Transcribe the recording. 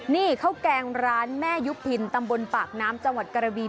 นี่ข้าวแกงร้านแม่ยุบพินตำบลปากน้ำจังหวัดกระบี